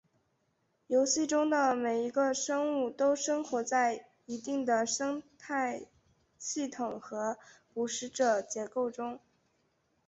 游戏中的每一个生物都生活在一定的生态系统和捕食者结构中。